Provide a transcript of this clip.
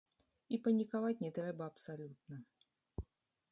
І панікаваць не трэба абсалютна.